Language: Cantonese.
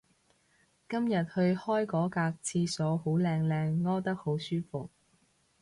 今日去開嗰格廁所好靚靚屙得好舒服